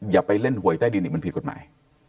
อย่าไปเล่นหวยใต้ดินอีกมันผิดกฎหมาย